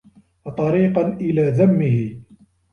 وَطَرِيقًا إلَى ذَمِّهِ